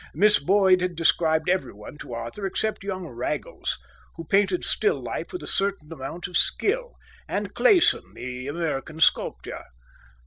Miss Boyd had described everyone to Arthur except young Raggles, who painted still life with a certain amount of skill, and Clayson, the American sculptor.